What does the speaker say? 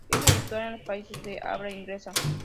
Es habitual en los países de habla inglesa.